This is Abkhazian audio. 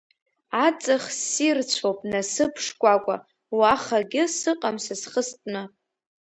Аҵых ссирцәоуп насыԥ шкәакәа, уахагьы сыҟам са схы стәны.